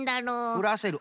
ふらせる？